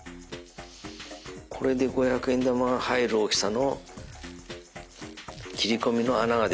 これで五百円玉が入る大きさの切込みの穴ができました。